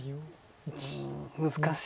うん難しいです。